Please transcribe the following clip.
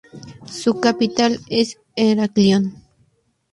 Su capital es Heraclión.